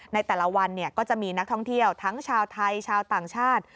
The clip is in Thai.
ในแต่ละวันก็จะมีนักท่องเที่ยวทั้งชาวไทยชาวต่างชาติ